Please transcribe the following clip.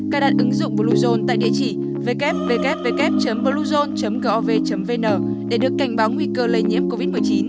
cài đặt ứng dụng bluezone tại địa chỉ www bluezone gov vn để được cảnh báo nguy cơ lây nhiễm covid một mươi chín